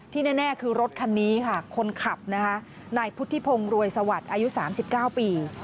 แน่คือรถคันนี้ค่ะคนขับนะคะนายพุทธิพงศ์รวยสวัสดิ์อายุ๓๙ปี